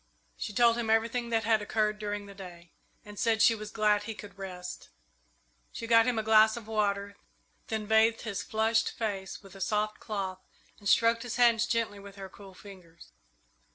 She told him everything that had occurred during the day, and said she was glad he could rest. She got him a glass of water, then bathed his flushed face with a soft cloth and stroked his hands gently with her cool fingers.